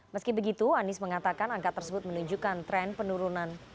meski begitu anies mengatakan angka tersebut menunjukkan tren penurunan